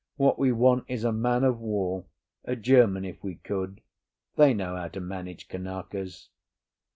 What we want is a man of war—a German, if we could—they know how to manage Kanakas."